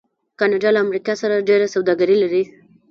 کاناډا له امریکا سره ډیره سوداګري لري.